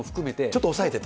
ちょっと抑えてた？